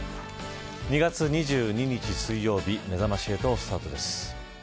２月２２日、水曜日めざまし８スタートです。